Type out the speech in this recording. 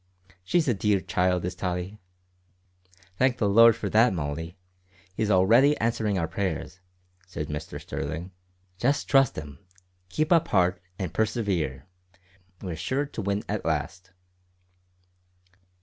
She's a dear child is Tottie." "Thank the Lord for that, Molly. He is already answering our prayers," said Mr Sterling. "Just trust Him, keep up heart, and persevere; we're sure to win at last."